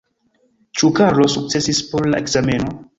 Ĉu Karlo sukcesis por la ekzameno?